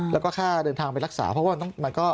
แล้วก็ค่าเดินทางไปรักษาเพราะว่ามันก็